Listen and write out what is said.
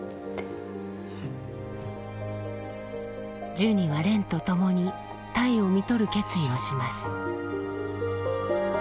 ジュニは蓮と共にたえをみとる決意をします